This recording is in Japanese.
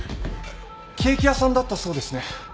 ケーキ屋さんだったそうですね。